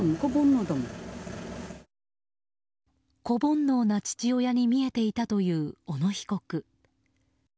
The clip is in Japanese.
子煩悩な父親に見えていたという小野被告。